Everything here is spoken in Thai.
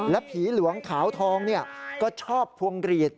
ผีหลวงขาวทองก็ชอบพวงกรีด